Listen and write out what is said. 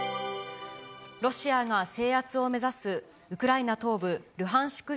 ロシアが制圧を目指すウクライナ東部ルハンシク